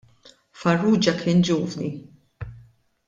Farrugia kien ġuvni.